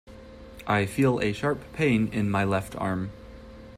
I feel a sharp pain in my left arm.